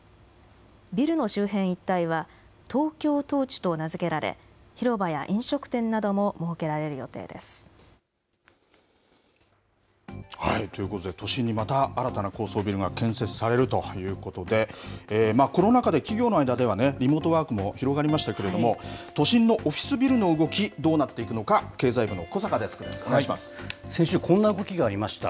ビルの周辺一帯は、トウキョウトーチと名付けられ、広場や飲食店なども設けられる予定です。ということで、都心にまた新たな高層ビルが建設されるということで、コロナ禍で企業の間では、リモートワークも広がりましたけれども、都心のオフィスビルの動き、どうなっていくのか、経済部の小坂デスクです、先週、こんな動きがありました。